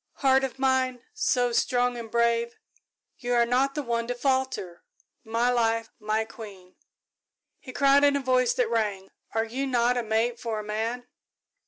Heart of Mine, so strong and brave, you are not the one to falter my Life, my Queen," he cried, in a voice that rang, "are you not a mate for a man?"